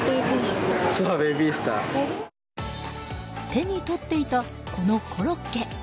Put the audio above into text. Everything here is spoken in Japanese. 手に取っていた、このコロッケ。